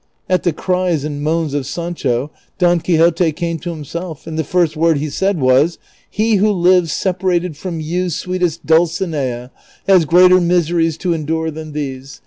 " At the cries and moans of Sancho, Don Quixote came to him self, and the first Avord he said was, " He who lives separated from you, sweetest Dulcinea, has greater miseries to endiire than these.